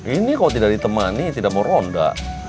ini kalau tidak ditemani tidak mau ronda